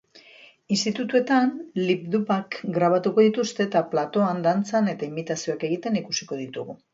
Institutuetan lip dub-ak grabatuko dituzte eta platoan dantzan eta imitazioak egiten ikusiko ditugu.